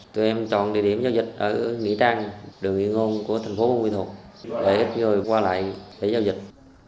tụi em chọn địa điểm giao dịch ở nghĩa trang đường nguyên ngôn của thành phố bô ma thuật để ít người qua lại để giao dịch